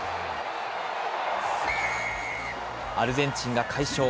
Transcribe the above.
アルゼンチンが快勝。